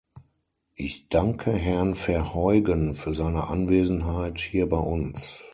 Ich danke Herrn Verheugen für seine Anwesenheit hier bei uns.